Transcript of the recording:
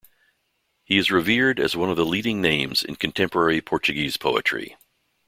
He is revered as one of the leading names in contemporary Portuguese poetry.